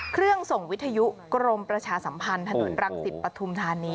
เครื่องส่งวิทยุกรมประชาสัมพันธ์ถนนรังสิตปฐุมธานี